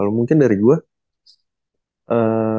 kalo mungkin dari gue